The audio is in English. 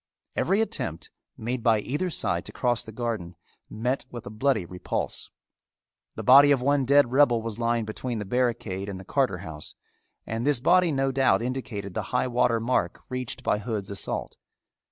Every attempt, made by either side to cross the garden, met with a bloody repulse. The body of one dead rebel was lying between the barricade and the Carter house and this body no doubt indicated the high water mark reached by Hood's assault.